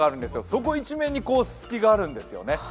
そこ一面にすすきがあるんですよね。